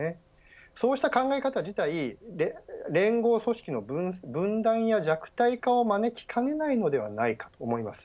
そうした考え方自体連合組織の分断や弱体化を招きかねないのではないかと思います。